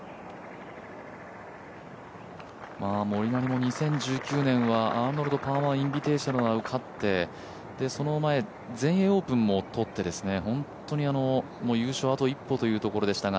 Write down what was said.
モリナリも２０１９年はアーノルド・パーマーインビテーショナルを勝ってその前、全英オープンもとって優勝あと一歩というところでしたが。